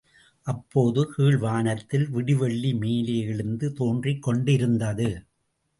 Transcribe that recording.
அப்போது கீழ் வானத்தில் விடிவெள்ளி மேலே எழுந்து தோன்றிக் கொண்டிருந்தது.